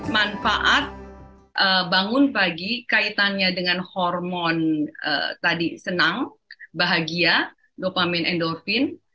manfaat bangun pagi kaitannya dengan hormon tadi senang bahagia dopamin endorfin